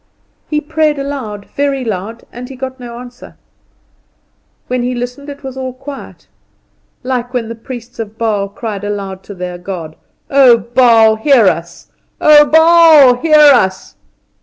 He prayed aloud, very loud, and he got no answer; when he listened it was all quite quiet like when the priests of Baal cried aloud to their god "Oh, Baal, hear us! Oh, Baal, hear us!